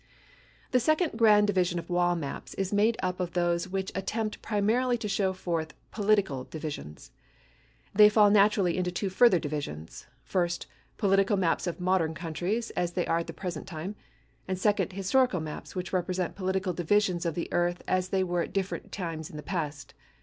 The second grand division of wall maps is made up of those which attempt primarily to show forth political divisions. They fall naturally into two further divisions; first, political maps of modern countries as they are at the present time, and second, historical maps which represent political divisions of the earth as they were at different times in the past.